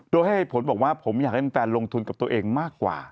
โดยให้ผลบอกว่าผมอยากให้แฟนลงทุนกับตัวเองมากกว่า